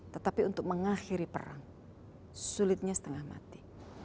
tetapi untuk mengakhiri perang sulitnya setengah mati